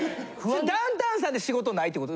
ダウンタウンさんで仕事ないってこと？